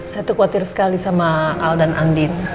saya tuh khawatir sekali sama al dan andi